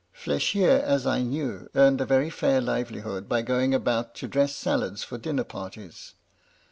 Fl^chier, as I knew, earned a very fair livelihood by going about to dress salads for dinner parties.